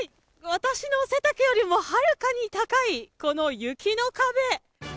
私の背丈よりもはるかに高いこの雪の壁。